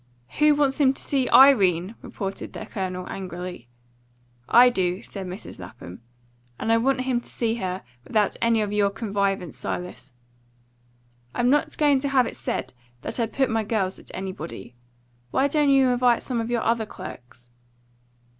"Who wants him to see Irene?" retorted the Colonel angrily. "I do," said Mrs. Lapham. "And I want him to see her without any of your connivance, Silas. I'm not going to have it said that I put my girls at anybody. Why don't you invite some of your other clerks?"